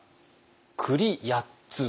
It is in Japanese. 「栗八つ」。